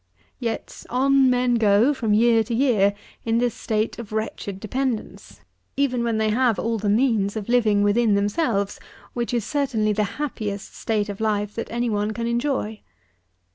92. Yet, on men go, from year to year, in this state of wretched dependence, even when they have all the means of living within themselves, which is certainly the happiest state of life that any one can enjoy.